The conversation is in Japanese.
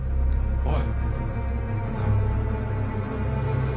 おい。